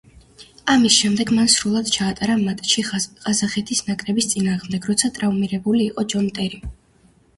ამის შემდეგ მან სრულად ჩაატარა მატჩი ყაზახეთის ნაკრების წინააღმდეგ, როცა ტრავმირებული იყო ჯონ ტერი.